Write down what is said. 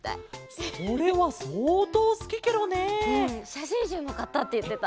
しゃしんしゅうもかったっていってた。